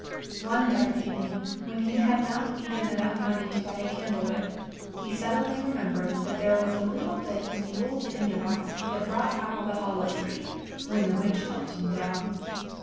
One dark evening when he had not even enough money to buy a candle with, he suddenly remembered that there was a little bit in the old tinder box he had brought out of the hollow tree, when the witch helped him down.